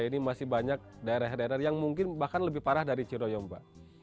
indonesia ini masih banyak daerah daerah yang mungkin bahkan lebih parah dari ciroyam pak